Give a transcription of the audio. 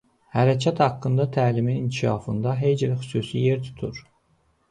Hərəkət haqqında təlimin inkişafında Hegel xüsusi yer tutur.